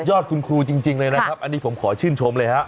อดคุณครูจริงเลยนะครับอันนี้ผมขอชื่นชมเลยฮะ